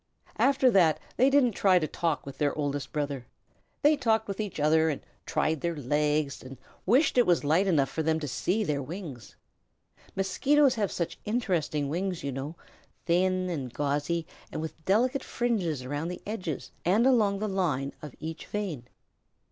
After that they didn't try to talk with their Oldest Brother. They talked with each other and tried their legs, and wished it were light enough for them to see their wings. Mosquitoes have such interesting wings, you know, thin and gauzy, and with delicate fringes around the edges and along the line of each vein.